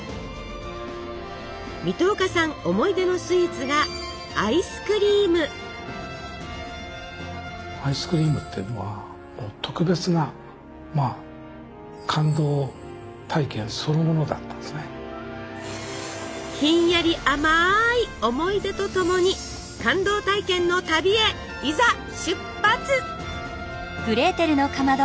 思い出のスイーツがひんやり甘い思い出とともに感動体験の旅へいざ出発！